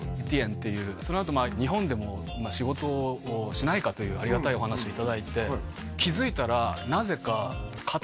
ティエンっていうそのあと日本でも仕事をしないか？というありがたいお話いただいて気づいたらなぜかえっ！？